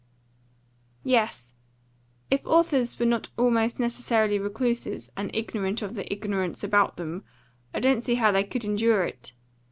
"Yes. If authors were not almost necessarily recluses, and ignorant of the ignorance about them, I don't see how they could endure it.